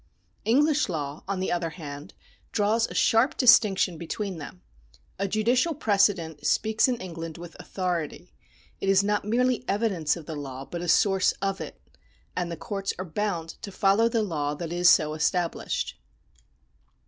^ English law, on the other hand, draws a sharp distinction between them. A judicial precedent speaks in England with authority ; it is not merely evidence of the law but a source of it ; and the courts are bound to follow the law that is so established.